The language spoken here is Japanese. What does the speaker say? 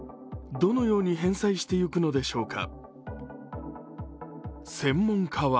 どのように返済していくのでしょうか。